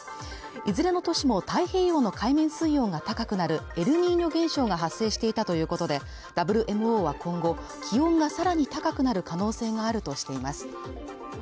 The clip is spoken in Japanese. いずれの年も太平洋の海面水温が高くなるエルニーニョ現象が発生していたということで、ＷＭＯは今後気温がさらに高くなる可能性があるとしています。